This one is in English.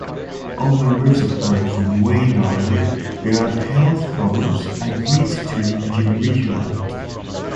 All members apart from Wayne Darley, who had health problems, agreed to reunite.